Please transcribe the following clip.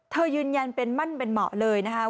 ยืนยันเป็นมั่นเป็นเหมาะเลยนะคะ